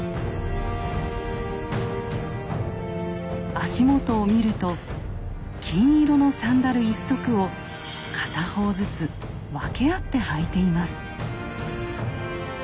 足元を見ると金色のサンダル一足を片方ずつ分け合って履いています。